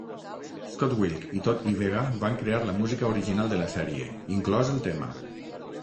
Scott Wilk i Todd Yvega van crear la música original de la sèrie, inclòs el tema.